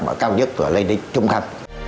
mà cao nhất của lây lý trung thành